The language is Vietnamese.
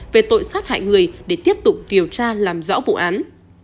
về tội sát hại người để tiếp tục điều tra làm rõ vụ án